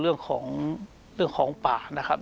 เรื่องของป่านะครับ